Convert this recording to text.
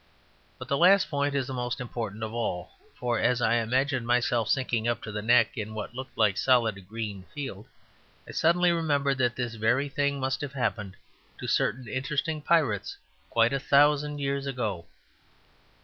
But the last point is the most important of all, for as I imagined myself sinking up to the neck in what looked like a solid green field, I suddenly remembered that this very thing must have happened to certain interesting pirates quite a thousand years ago.